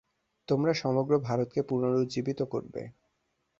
তোমরা সমগ্র ভারতকে পুনরুজ্জীবিত করিবে।